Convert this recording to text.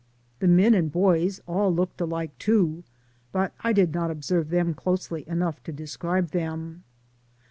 The men and boys all looked alike too, but I did not observe them closely enough to de scribe them.